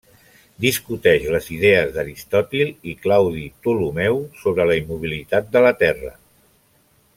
Discuteix les idees d'Aristòtil i Claudi Ptolemeu sobre la immobilitat de la terra.